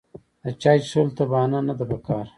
د چای څښلو ته بهانه نه ده پکار.